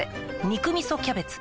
「肉みそキャベツ」